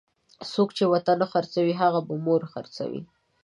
څوک چې وطن خرڅوي هغه به مور خرڅوي.